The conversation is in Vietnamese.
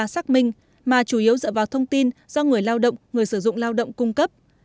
xác minh mà chủ yếu dựa vào thông tin do người lao động người sử dụng lao động cung cấp